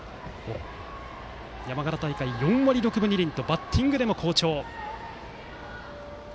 山形大会、４割６分２厘とバッティングでも好調。